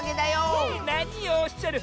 なにをおっしゃる！